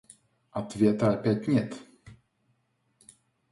Ответа опять нет!